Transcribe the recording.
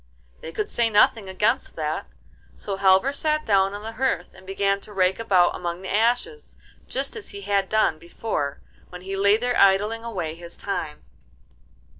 They could say nothing against that, so Halvor sat down on the hearth, and began to rake about among the ashes just as he had done before, when he lay there idling away his time.